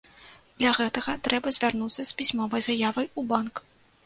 Для гэтага трэба звярнуцца з пісьмовай заявай у банк.